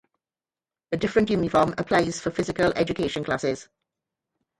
A different uniform applies for physical education classes.